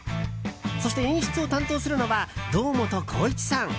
そして演出を担当するのは堂本光一さん。